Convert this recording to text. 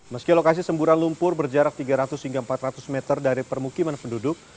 meski lokasi semburan lumpur berjarak tiga ratus hingga empat ratus meter dari permukiman penduduk